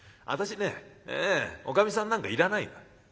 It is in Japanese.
私ねおかみさんなんかいらないの」。